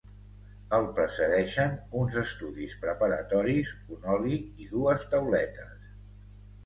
El precedeixen uns estudis preparatoris, un oli i dues tauletes.